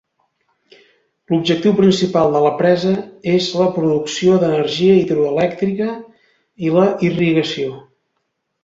L'objectiu principal de la presa és la producció d'energia hidroelèctrica i la irrigació.